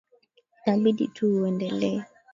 Inabidi tu uendelee